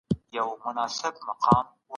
سوسياليستي نظام فردي ازادي اخلي.